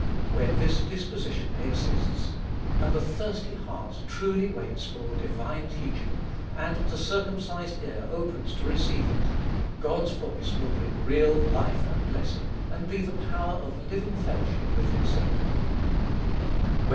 When this disposition exists, and the thirsty heart truly waits for divine teaching, and the circumcised ear opens to receive it, God's voice will bring real life and blessing, and be the power of living fellowship with Himself.